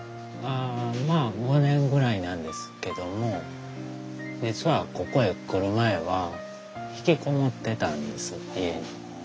まあ５年ぐらいなんですけども実はここへ来る前は引きこもってたんです家に。